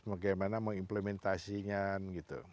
bagaimana mengimplementasinya gitu